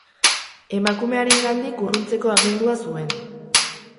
Emakumearengandik urruntzeko agindua zuen.